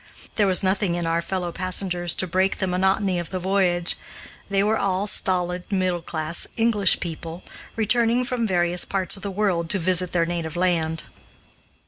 There was nothing in our fellow passengers to break the monotony of the voyage. They were all stolid, middle class English people, returning from various parts of the world to visit their native land.